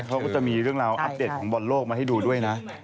เขาก็จะมีเรื่องราวอัปเดตของบอลโลกมาให้ดูด้วยนะ